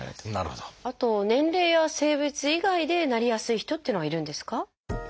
あと年齢や性別以外でなりやすい人っていうのはいるんですか？